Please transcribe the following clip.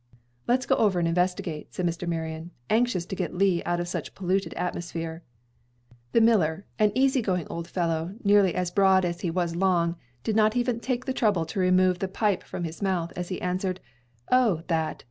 "Let's go over and investigate," said Mr. Marion, anxious to get Lee out of such polluted atmosphere. The miller, an easy going old fellow, nearly as broad as he was long, did not even take the trouble to remove the pipe from his mouth, as he answered: "O, that!